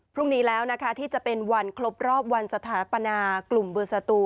พรุ่งนี้แล้วนะคะที่จะเป็นวันครบรอบวันสถาปนากลุ่มเบอร์สตู